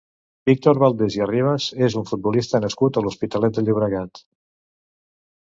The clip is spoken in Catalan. Víctor Valdés i Arribas és un futbolista nascut a l'Hospitalet de Llobregat.